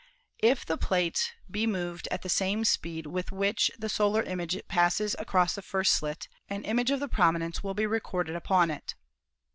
If the plate be moved at the same speed with which the solar image passes across the first slit, an image of the prominence will be recorded upon it."